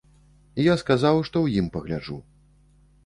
Я сказаў, што ў ім пагляджу.